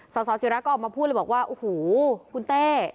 สสิระก็ออกมาพูดเลยบอกว่าโอ้โหคุณเต้